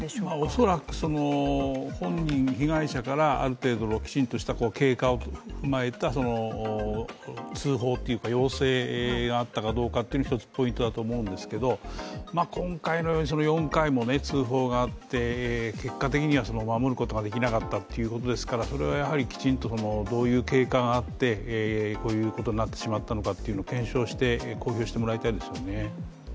恐らく本人、被害者からきちんとした経過を踏まえた通報というか、要請があったかどうかというのが１つポイントだと思うんですけど、今回のように４回も通報があって結果的には守ることができなかったということですからそれはきちんとどういう経過があって、こういうことになってしまったのかということを検証して公表してもらいたいですよね。